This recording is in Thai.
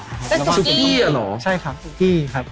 เป็นสุกี้เหรอใช่ครับสุกี้ครับ